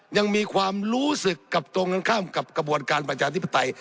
ยังมีความรู้สึกกับตรงกันข้ามกับกระบวนการประชาธิปไตย